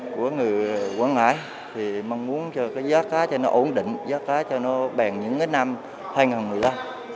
của người quản lý thì mong muốn cho cái giá cá cho nó ổn định giá cá cho nó bèn những cái năm hai ngàn người ta